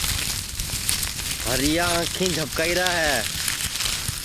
ہریا آنکھی جھپکائیرا ہے